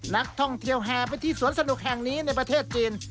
นักท่องเที่ยวแห่ไปที่สวนสนุกแห่งนี้ในประเทศจีน